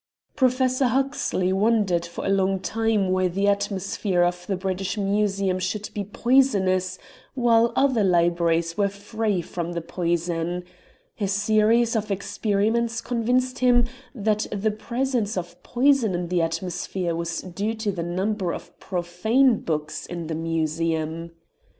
Professor Huxley wondered for a long time why the atmosphere of the British Museum should be poisonous while other libraries were free from the poison; a series of experiments convinced him that the presence of poison in the atmosphere was due to the number of profane books in the Museum.